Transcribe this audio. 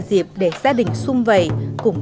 dịp để gia đình xung vầy cùng